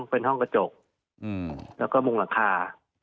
เป็นห้องกระจกแล้วก็มุงหลังคา